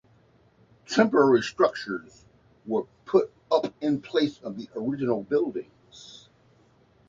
Temporary structures were put up in place of the original buildings.